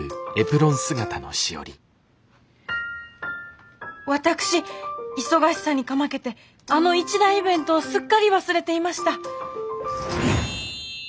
心の声私忙しさにかまけてあの一大イベントをすっかり忘れていました。